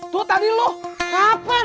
tuh tadi lo kapan